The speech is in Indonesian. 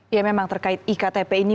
ya memang terkait iktp ini